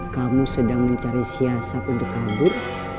kamu sedang mencari siasat untuk kabur